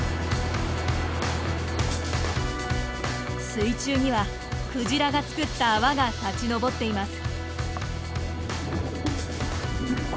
水中にはクジラがつくった泡が立ち上っています。